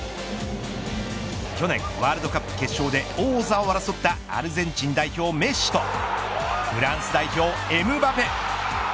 去年ワールドカップ決勝で王座を争ったアルゼンチン代表メッシとフランス代表エムバペ。